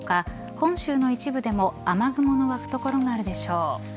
本州の一部でも雨雲の湧く所があるでしょう。